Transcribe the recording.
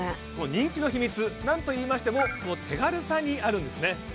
人気の秘密なんといいましてもその手軽さにあるんですね